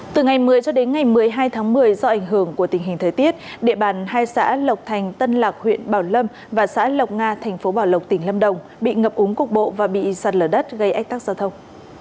từ ngày một mươi cho đến ngày một mươi hai tháng một mươi do ảnh hưởng của tình hình thời tiết địa bàn hai xã lộc thành tân lạc huyện bảo lâm và xã lộc nga thành phố bảo lộc tỉnh lâm đồng bị ngập úng cục bộ và bị sạt lở đất gây ách tắc giao thông